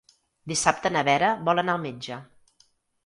Dissabte na Vera vol anar al metge.